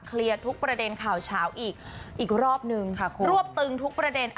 เคลียร์ทุกประเด็นข่าวเช้าอีกรอบหนึ่งรวบตึงทุกประเด็น